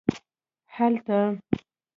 هلته